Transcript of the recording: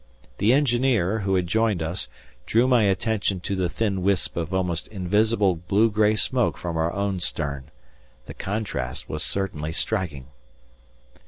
The engineer, who had joined us, drew my attention to the thin wisp of almost invisible blue grey smoke from our own stern. The contrast was certainly striking!